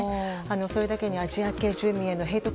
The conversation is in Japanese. それだけにアジア系住民へのヘイト